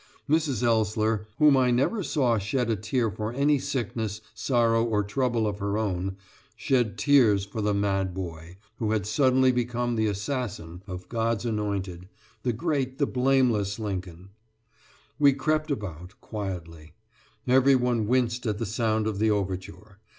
Mrs. Ellsler, whom I never saw shed a tear for any sickness, sorrow, or trouble of her own, shed tears for the mad boy, who had suddenly become the assassin of God's anointed the great, the blameless Lincoln. We crept about, quietly. Every one winced at the sound of the overture.